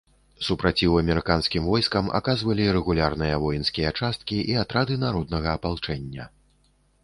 Супраціў амерыканскім войскам аказвалі рэгулярныя воінскія часткі і атрады народнага апалчэння.